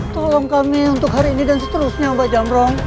tolong kami untuk hari ini dan seterusnya mbak jamrong